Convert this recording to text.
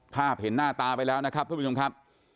เห็นหน้าตาไปแล้วนะครับทุกผู้ชมครับ